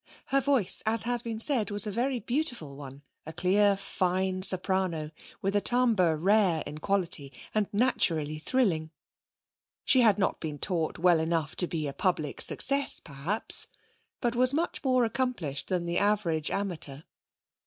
Her voice, as has been said, was a very beautiful one, a clear, fine soprano, with a timbre rare in quality, and naturally thrilling. She had not been taught well enough to be a public success perhaps, but was much more accomplished than the average amateur.